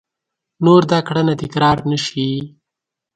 نور دا کړنه تکرار نه شي !